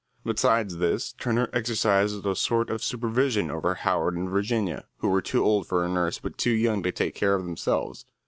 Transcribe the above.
Besides this, Turner exercised a sort of supervision over Howard and Virginia, who were too old for a nurse but too young to take care of themselves.